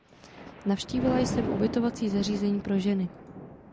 Navštívila jsem ubytovací zařízení pro ženy.